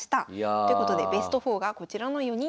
ということでベスト４がこちらの４人となります。